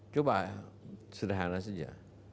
coba sederhana saja